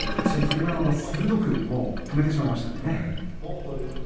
馬山が鋭く止めてしまいましたのでね。